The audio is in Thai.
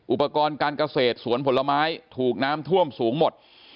อุปกรณ์การเกษตรสวนผลไม้ถูกน้ำท่วมสูงหมด